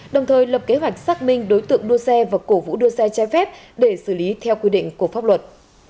đồng thời lập kế hoạch xác minh đối tượng đua xe và cổ vũ đua xe trái phép để xử lý theo quy định của pháp luật